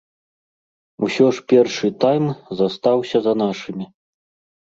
Усё ж першы тайм застаўся за нашымі.